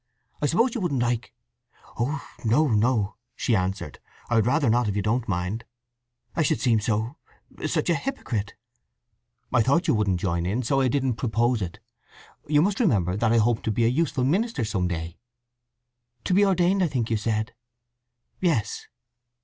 I suppose you wouldn't like—" "Oh no, no," she answered, "I would rather not, if you don't mind. I should seem so—such a hypocrite." "I thought you wouldn't join, so I didn't propose it. You must remember that I hope to be a useful minister some day." "To be ordained, I think you said?" "Yes."